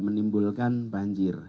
kita menimbulkan banjir